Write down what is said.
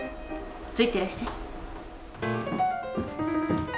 ついてらっしゃい。